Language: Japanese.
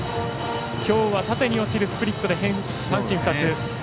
きょうは縦に落ちるスプリットで三振２つ。